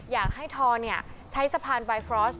อยากให้ทอใช้สะพานบายฟรอส